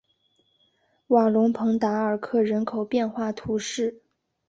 瓦龙蓬达尔克人口变化图示